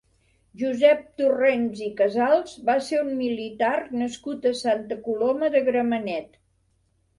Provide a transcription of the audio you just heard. Josep Torrents i Casals va ser un militar nascut a Santa Coloma de Gramenet.